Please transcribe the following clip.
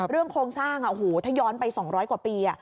เรื่องคงสร้างถ้าย้อนไป๒๐๐กว่าปี